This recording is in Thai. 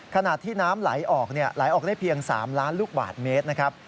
ขณะที่น้ำไหลออกไหลออกได้เพียง๓ล้านลูกบาทเมตรนะครับ